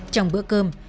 trong bữa khai báo